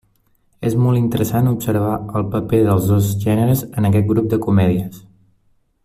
És molt interessant observar el paper dels dos gèneres en aquest grup de comèdies.